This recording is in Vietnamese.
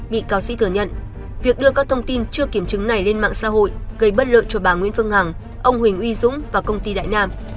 bị cáo sĩ thừa nhận việc đưa các thông tin chưa kiểm chứng này lên mạng xã hội gây bất lợi cho bà nguyễn phương hằng ông huỳnh uy dũng và công ty đại nam